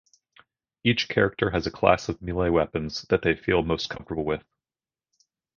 Each character has a class of melee weapons that they feel most comfortable with.